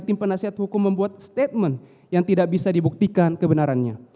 tim penasihat hukum membuat statement yang tidak bisa dibuktikan kebenarannya